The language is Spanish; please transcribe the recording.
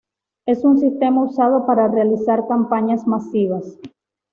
Es un sistema usado para realizar campañas masivas.